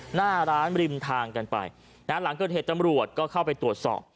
หน้าร้านริมทางกันไปนะฮะหลังเกิดเหตุตำรวจก็เข้าไปตรวจสอบ